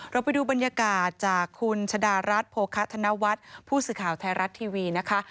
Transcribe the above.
ไปดูบรรยากาศจากคุณชะดารัฐโภคะธนวัฒน์ผู้สื่อข่าวไทยรัฐทีวีนะคะ